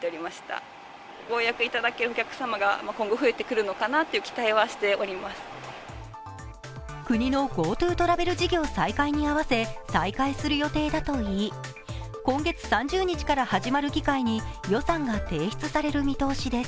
そんな中、再開が検討されている都民割については国のＧｏＴｏトラベル事業再開に合わせ再開する予定だといい、今月３０日から始まる議会に予算が提出される見通しです。